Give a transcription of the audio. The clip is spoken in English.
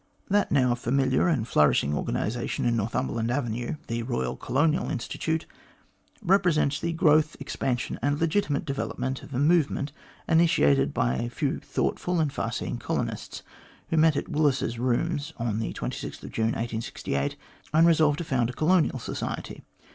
That now familiar and flourishing organisation in Northum berland Avenue, the Royal Colonial Institute, represents the growth, expansion, and legitimate development of a move ment initiated by a few thoughtful and far seeing colonists, who met at Willis's Rooms on June 26, 1868, and resolved to found a " Colonial Society."